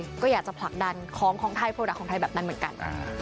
ก็อยากจะผลักดันของของไทยโปรดักต์ของไทยแบบนั้นเหมือนกัน